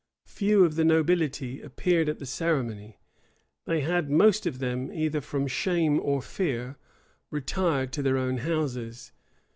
Few of the nobility appeared at the ceremony: they had most of them, either from shame or fear, retired to their own houses.